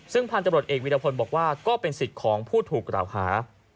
ซึ่งพันธบรวจเอกวิรพลบอกว่าก็เป็นสิทธิ์ของผู้ถูกกล่าวหา